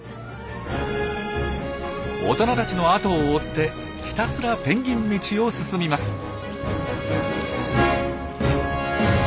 大人たちの後を追ってひたすらペンギン道を進みます。